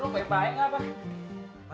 lu pembahaya gak apa